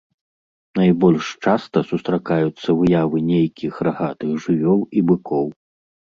Найбольш часта сустракаюцца выявы нейкіх рагатых жывёл і быкоў.